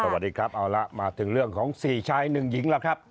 สวัสดีครับเอาละมาถึงเรื่องของ๔ชาย๑หญิงแล้วครับ